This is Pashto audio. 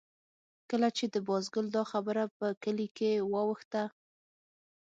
کله چې د بازګل دا خبره په کلي کې واوښته.